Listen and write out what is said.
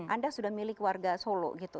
anda sudah milik warga solo gitu